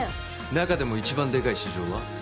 中でも一番でかい市場は？